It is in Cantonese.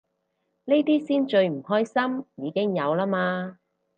呢啲先最唔關心，已經有啦嘛